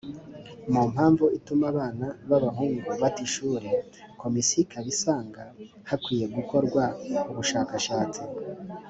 mu mpamvu ituma abana b abahungu bata ishuri komisiyo ikaba isanga hakwiye gukorwa ubushakashatsi